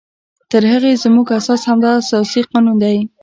تر هغې زمونږ اساس همدا اساسي قانون دی